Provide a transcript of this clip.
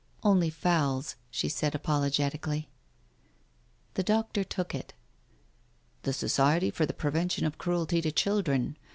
"Only fowl's !" she said apologetically. The doctor took it. "The Society for the Prevention of Cruelty to Children.